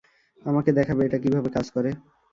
আমাকে দেখাবে এটা কীভাবে কাজ করে?